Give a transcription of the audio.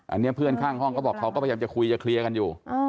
อันนี้เพื่อนข้างห้องเขาบอกเขาก็พยายามจะคุยจะเคลียร์กันอยู่